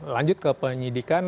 lanjut ke penyidikan